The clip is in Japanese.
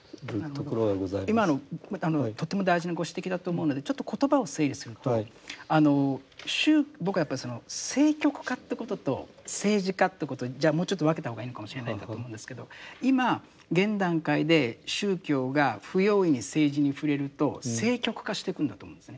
今のとても大事なご指摘だと思うのでちょっと言葉を整理すると僕はやっぱりその政局化ということと政治化ということをもうちょっと分けた方がいいのかもしれないんだと思うんですけど今現段階で宗教が不用意に政治に触れると政局化してくんだと思うんですね。